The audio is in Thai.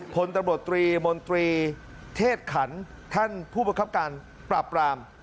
พลตำรวจตรีมนตรีเทศขันท่านผู้ประคับการปราบราม